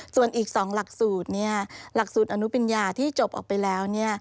ส่วนอีก๒หลักสูตรหลักสูตรอนุปิญญาที่จบออกไปแล้ว